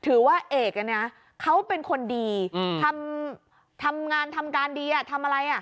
ถือว่าเอกเขาเป็นคนดีทำงานทำการดีทำอะไร